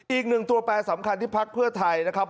อีกหนึ่งตัวแปรสำคัญที่พักเพื่อไทยนะครับ